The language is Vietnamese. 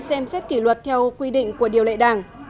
xem xét kỷ luật theo quy định của điều lệ đảng